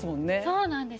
そうなんです。